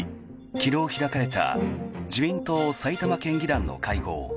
昨日開かれた自民党埼玉県議団の会合。